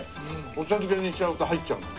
お茶漬けにしちゃうと入っちゃうの。